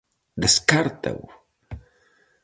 Descártao?